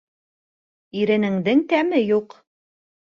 Иренеңдең тәме юҡ.